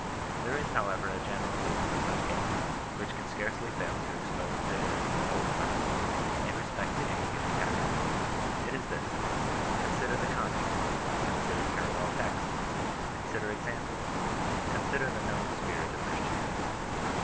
There is, however, a general rule for such cases, which can scarcely fail to expose the errors of both classes, in respect to any given text. It is this: " Consider the context; consider parallel texts ; consider examples ; consider the known spirit of Christianity."